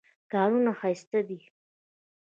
کانونه ښایسته دي.